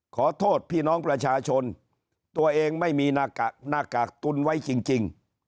ขอโทษพี่น้องประชาชนตัวเองไม่มีหน้ากากหน้ากากตุ้นไว้จริงจริง